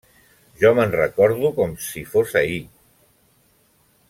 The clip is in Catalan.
Jo me'n recordo com si fos ahir…